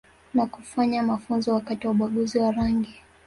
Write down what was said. Na kufanyia mafunzo wakati wa ubaguzi wa rangi